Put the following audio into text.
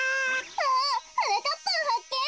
あはなかっぱんはっけん。